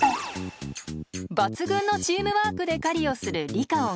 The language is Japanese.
抜群のチームワークで狩りをするリカオン。